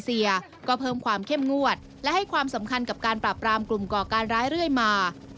สำคัญกับการปรับปรามกลุ่มก่อการร้ายเรื่อยมา